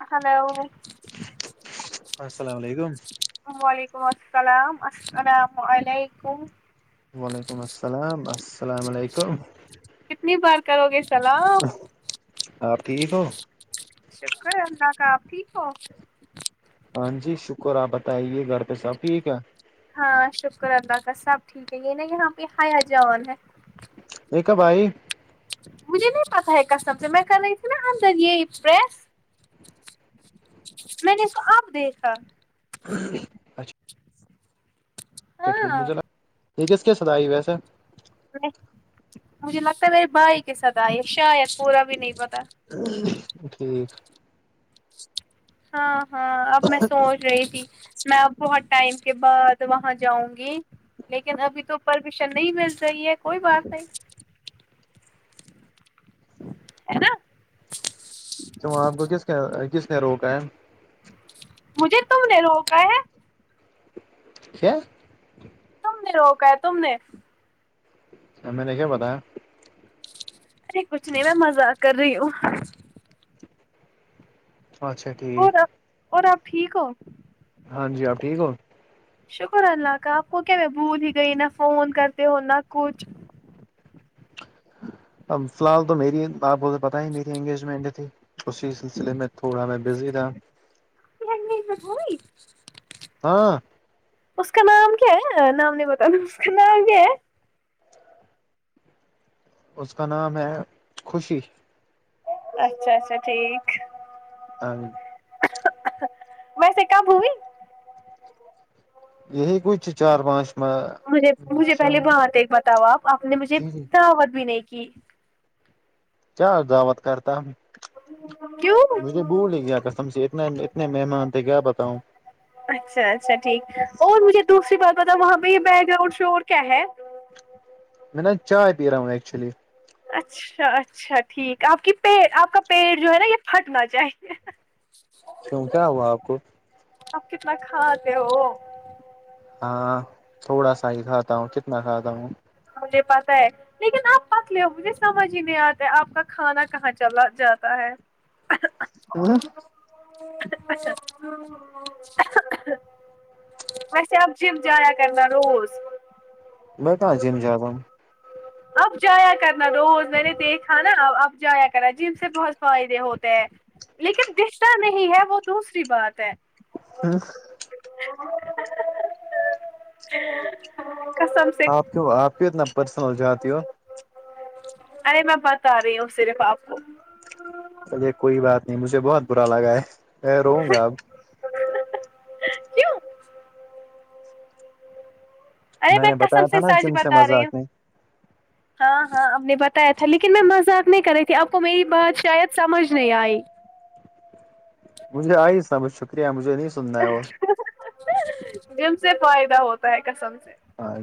hello السلام علیکم وعلیکم السلام السلام علیکم وعلیکم السلام السلام علیکم کتنی بار کرو گے سلام آپ ٹھیک ہو شکر اللہ کا اپ ٹھیک ہو ہاں جی شکر آپ بتائیے گھر پہ سب ٹھیک ہے ہاں شکر اللہ کا سب ٹھیک ہے یہ نا یہاں پہ ہیا جان ہے یہ کب ائی مجھے نہیں پتہ ہے کسٹم سے میں کری تھی نا اندر یہ پریس میں نے اس کو آب دیکھا [inaudible] اچھا ہاں ٹھیک ہے یہ کس کے ساتھ آی ویسے مجھے لگتا ہے میے بھائی کے ساتھ آئی شاید پورا بھی نہیں پتا ٹھیک ہاں ہاں اب میں سوچ رہی تھی میں بہت ٹائم کے بعد وہاں جاؤں گی لیکن ابھی تو پرمیشن نہیں مل رہی ہے کوئی بات نہیں ہے نا توم آپ کو کس نے کس نے روکا ہے مجھے تم نے روکا ہے کیا ت نے روکا ہے تم نے میں نے کیا بتا ارے کچھ نہیں میں مزہ کر رہی ہوں اچھا اور ٹھیک اور آپ ٹھیک ہو ہاں جی آپ ٹھیک ہو شکر اللہ کا آپ کو کیا میں بھول ہی گئی نہ فون کرتے ہو نہ کچھ اب فی الحال تو میری آپ ب پت ہی میری انگیجمنٹ تھی اسی سلسلے میں تھوڑا میں بزی تھا [unintelligible] ہاں اس کا نام کیا ہے نام نہیں بتاانا اس کا نام کیا ہے اس کا نام ہے خوشی اچھا اچھا ٹھیک ہ میںسےا بھمی یہی کچھ چار پانچ اچھا مجھے مجھے پہلے بات ایک بتاؤ آپ آپ نے مجھے جی جی دعوت بھی نہیں کی کیا دعوت کرتا کیوں مجھے بھول ہی گیا قسم سے اتنے اتنے مہمان تھے کیا بتاؤں اچھا اچھا ٹھیک اور مجھے دوسری بات پتا وہاں پہ یہ بیک گراؤنڈ شو کیا ہے میں نا چائے پی رہا ہوں ایکچولی اچھا اچھا ٹھیک آپ کی پ آپ کا پیڑ جو ہے نا یہ پھٹنا چاہیے [unintelligible] کیوں کیا ہوا آپ کو آپ کتنا کھاتے ہو ہاں تھوڑا سا ہی کھاتا ہوں کتنا کھاتا ہوں مجھے پاسہ ہے لیکن آپ پک لے ہو مجھے سمجھ ہی نہیں آتا آپ کا کھانا کہاں چلا جاتا ہے ہ ہاں اچھا وسپ جم جایا کرنا روز میں کہاں جیم جاا ہم اب جایا کرنا روز میں نے دیکھا نا اف جایا کرا جم سے بہت فائدے ہوتے ہیں لیکن دشتتا نہیں ہے وہ دوسری بات ہے ہوں [unintelligible] کسم سے آپ کی آپ کی اتنا پرسنل جاتتی ہو ارے میں بتا رہی ہوں صرف آپ کو الیے کوئی بات نہیں مجھے بہت برا لگا ہے میں روں گا اب کیوں ارے میں نے کسم بتایا تھا سے نا سج جم سے بتا رہی ہوں مذاق نہیں ہاں ہاں آپ نے بتایا تھا لیکن میں مذاق نہیں کر رہی تھی آپ کو میری بات شاید سمجھ نہیں آئی مجھےئی صا ب شکریہ مجھے سننا ہے اور جن سے فائدہ ہوتا ہے کسم سے ہاں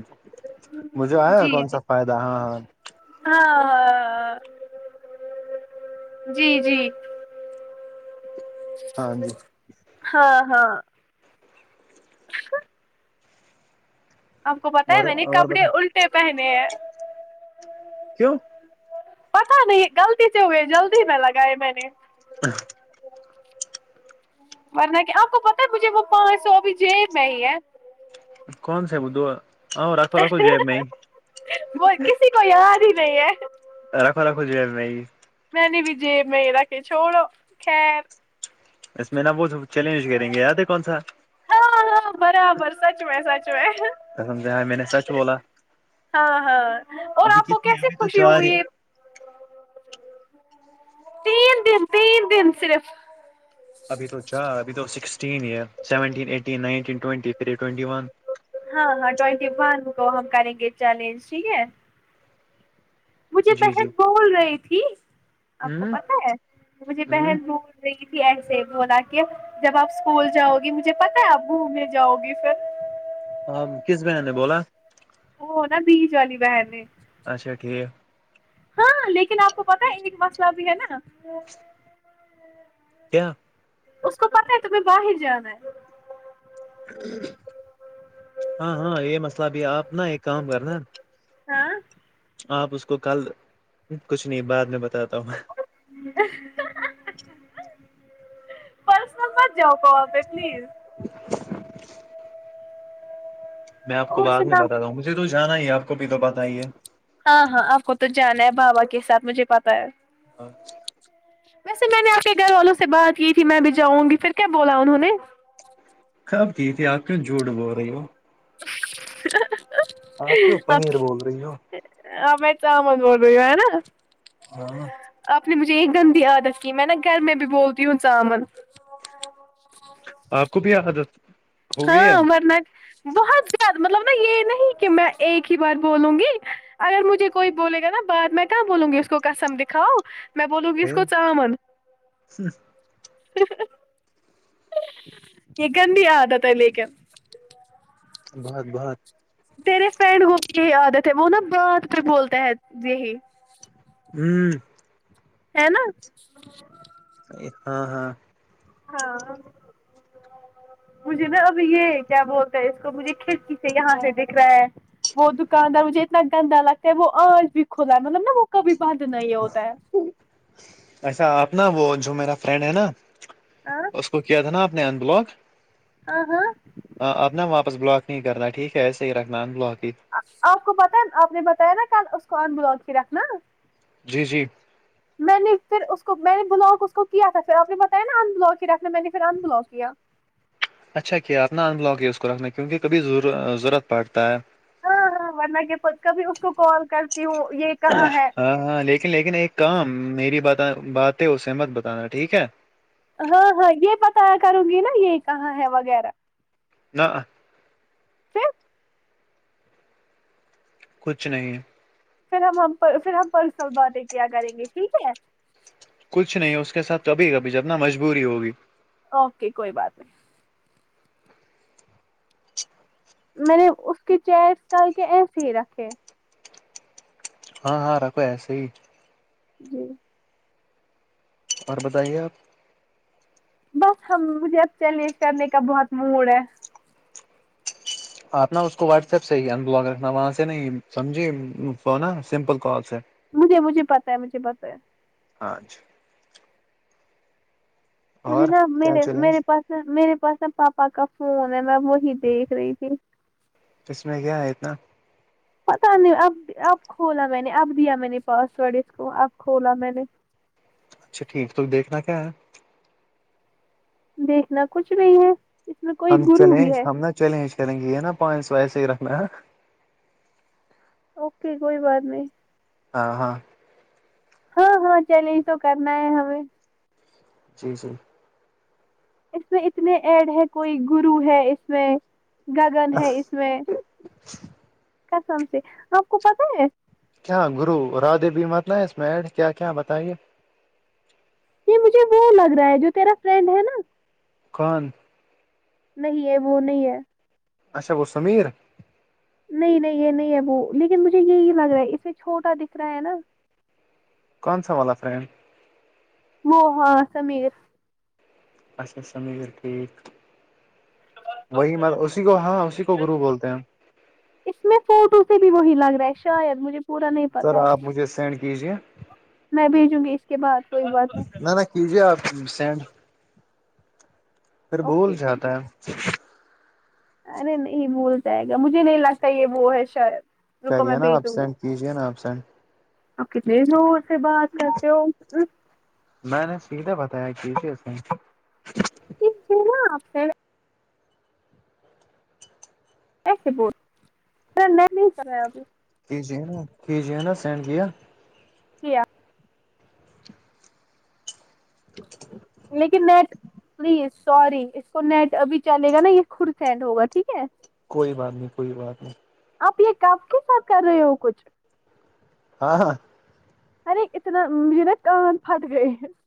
مجھے آیا کون سا فائدہ ہاں ہاں ہاں ہاں جی جی ہاں جی ہاں ہاں آپ کو پتا ہے اور میں نے اور کپڑے بتا الٹے پہنے ہیں کیوں پتا نہیں غلطی سے ہوئے جلدی میں لگائے میں نے ہاں ورنہ کیا آپ کو پتا ہے مجھے وہ پانچ سو ابھی جیب میں ہی ہے کون سے بھ رکھو رکھو جو میں کوئی یاد ہی نہیں ہے رخ رکھو جی نہیں میں نے بھی جیب میں را کے چھوڑو خیر اس میں نا وہ سب چیلنج کریں گے یاد ہے کون سا ہاں ہاں برابر سچ میں سچ میں میں نے سچ بولا ہاں ہاں اور ابھی آپ کو کتنے کیسے ابھی تو خوشی چار یہ ہوئی تینین دن تین دن صرف ابھی تو چا ابھی تو سکس سیون ای ہاں ہاں ٹوینٹی ون کو ہم کریں گے چیلنج ٹھیک ہے مجھے جی جی بحن بول رہی تھی آپ کو ہوں پت ہے مجھے ہوں بحن بول رہی تھی ایسے بھی ہولا کہ جب آپ اسکول جاؤ گی مجھے پتا ہے اب گھومنے جاؤ گی پھر ہاں کس بہن نے بولا وہ نا بیج والی بہن نے اچھا ٹھیک ہاں لیکن آپ کو پتا ہے ان مسئلہ بھی ہے نا کیا اس کو پتاہ ہے تمہیں باہر جانا ہے ہاں ہاں یہ مسئلہ بھی ہے آپ نا ایک کام کرنا ہاں آپ اس کو کل کچھ نہیں بعد میں بتاتا ہوں میں پرسنل مت جؤ پا پلیز [inaudible] میں آپ کو اور بعد میں سنا بتاتا ہوں مجھے تو جانا ہی ہے آپ کو بھی تو پت ہی ہے ہاں ہاں آپ کو تو جانا ہے بابا کے ساتھ مجھے پتا ہے اچ ویسے میں نے آپنے گھر والوں سے بات کی تھی میں بھی جاؤں گی پھر کیا بولا انہوں نے خب کی تھی آپ کیوں جھوٹ بو رہی ہو [inaudible] آپ کیوں پنیر بول رہی ہو اب توم بول رہی ہو ہے نا ہاں آپ نے مجھے یہ گندی عادت کی میں نا گھر میں بھی بولتی ہوں چاامن کپ آ دت ہاں مرناٹ بہت زیادہ مطلب نا یہ نہیں کہ میں ایک ہی بار بولوں گی اگر مجھے کوئی بولے گا نا بعد میں کہاں بولوں گی اس کو کسم دکھاؤ میں بولوں گی اس پھر کو چمن یہ گن بھی آد تھا لے کر بہت بہت تیرے فرینڈ کو بھی یہی آد تھے وہ نا بات پ بولتے ہیں یہی ہوں ہے نا ہاں ہاں ہاں مجھے نا اب یہ کیا بولتا ہے اس کو مجھے کھڑکی سے یہاں سے دکھ رہا ہے وہ دکاندار مجھے اتنا گندا لگتا ہے وہ آج بھی کھلا ہے مطلب نا وہ کبھی بند نہیں ہوتا ہے اچھا آپ نا وہ جو میرا فرینڈ ہے نا ہاں اس کو کیا تھا نا آپ نے ان بلاک ہاں ہاں ہاں ابناا واپس بلاک نہیں کرنا ٹھیک ہے صحیح رکھنا ان بلاک ہی آپ کو پتا آپ نے بتایا نا کل اس کو ان بلاک ہی رکھنا جی جی میں نے پھر اس کو میں نے بلاک اس کو کیا تھا پھر آپ نے بتایا نا ان بلاک ہی رکھنا میں نے پھر ان بلاک کیا اچھا کیا اپنا ان بلاک ہی اس کو رکھنا کیونکہ کبھی ضرورت پڑتا ہے ہاں ہاں ورنہ کے پ کبھی اس کو کال کرتی ہوں یہ کہاں ہے ہاں ہاں لیک لیکن ایک کام میری ب بات ہے اسے مت بتانا ٹھیک ہے ہاں ہاں یہ پتا کروں گی نا یہ کہاں ہے وغیرہ نہ کیا کچھ نہیں پھر ہم پھر ہم پرسنل باتیں کیا کریں گے ٹھیک ہے کچھ نہیں اس کے ساتھ کبھی کبھی جبنا مجبوری ہوگی اوکے کوئی بات نہیں میں نے اس کے چیٹس کر کے ایسے ہی رکھے ہاں ہاں ر کوو ایسے ہی جی اور بتائیے آپ بس ہم مجھے اب چیلنج کرنے کا بہت موڈ ہے آپ ن اس کو واٹس ایپ سے ہی ان بلاگ رکھنا وہاں سے نہیں سمجھی فون سمپل کال سے مجھے مجھے پتا ہے مجھے پتا ہے ہاں جی مجھے اور نا کیا میرے چیلنج میرے پاس میرے پاس ن پاپا کا فون ہے میں وہی دیکھ رہی تھی اس میں کیا ہے اتنا پتا نہیں اب اب کھولا میں نے اب دیا میں نے پاسورڈ اس کو اب کھولا میں نے اچھا ٹھیک ہے تویکنا کیا ہے دیکھنا کچھ نہیں ہے اس میں کوئی ہم گرو بھی چیلنج ہے ہم نا چیلنج کریں گی ہے نا پوائنٹس وائ سے ہی رکھنا ہے اوکے کوئی بات نہیں ہاں ہاں ہاں ہاں چیلنج تو کرنا ہے ہمیں جی جی اس میں اتنے ایڈ ہے کوئی گرو ہے اس میں گگن ہے اس سم سے آپ کو پتا ہے [unintelligible] کیا گرو راہ دیوی متل ہے اس میںڈ کیا کیا بتائیے یہ مجھے وہ لگ رہا ہے جو تیرا فرینڈ ہے نا کن [unintelligible] نہیں ہے وہ نہیں ہے اچا گو سمیر [unintelligible] نہیں نہیں یہ نہیں ابو لیکن مجھے یہی لگ رہا ہے اسے چھوٹا دکھ رہا ہے نا کون سا والا فرین وہ ہاں سمیر اچھا سمر ٹھیک وہی م اسی کو ہاں اسی کو گرو بولتے ہیں ہم اس میں فوٹو سے بھی وہی لگ رہا ہے شاید مجھے پورا نہیں سر پتا ہے آپ مجھے سینڈ کیجے میں بھیجوں گی اس کے بعد کوئی بات نہیں نہ نہ کیجے آپ سینڈ پھر بول اوکے کوئی بات جاتا ہے ارے نہیں بھول جائے گا مجھے نہیں لگتا یہ وہ ہے شاید کر رکو میں یہ نا بھیجوں گی اپبسینٹ کیج نا ابسینٹ کتنے د سے بات کرتے ہو میں نے سیدھا بتایا کی تی اس میں مجھے نا پ [unintelligible] اب کر [unintelligible] کیجیے نا کیجیے نا سینڈ کیا کیا اچ [unintelligible] لیکن نیٹ پلیز سوری اس کو نیٹ ابھی چلے گا نا یہ خور سینڈ ہوگا ٹھیک ہے کوئی بات نہیں کوئی بات نہیں آپ یہ کف کے ساتھ کر رہے ہو کچھ ہاں ہاں ہینی اتنا یہ نا کاند پھٹ گئی [unintelligible]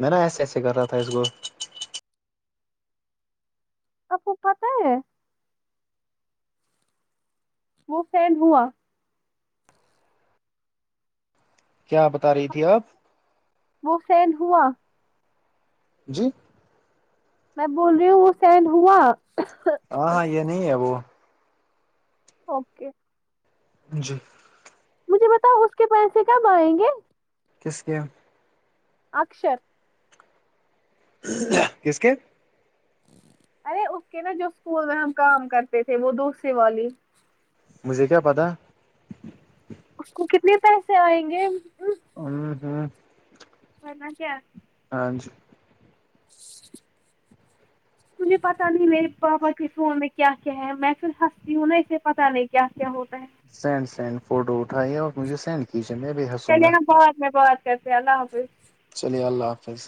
میں نا ایسے ایسے کر رہا تھا اس کو آپوپا ت ہے [unintelligible] وہ فینڈ ہوا کیا بتا رہی تھی آپ [unintelligible] وہ سین ہوا [unintelligible] جی [unintelligible] میں بول رہی ہوں وہ سینڈ ہوا ہاں ہاں یہ نہیں ہے وہ اوکے [unintelligible] جی [unintelligible] مجھے بتاؤ اس کے پیسے کب آئیں گے کس کے [unintelligible] اکشر [unintelligible] کس کے [unintelligible] ارے اس کے نا جو اسکول میں ہم کام کرتے تھے وہ دوسری والی [unintelligible] مجھے کیا پتا اس کو کتنے پیسے آئیں گے ہوں کرنا کیا [unintelligible] ہاں جی [unintelligible] تجھے پتا نہیں میر پپا کس ہو میں [unintelligible] کیا کیا ہے میں پھر ہنستی ہوں نا اسے پتاہ نہیں کیا کیا ہوتا ہے سینڈ سینڈ فوٹو اٹھائیے اور مجھے سینڈ کیجیے میں ب ح چلیے ہم بہت میں بہات کرتے اللہ حافظ چلیے اللہ حافظ